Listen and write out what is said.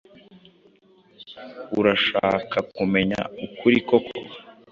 Urashaka kumenya ukuri koko?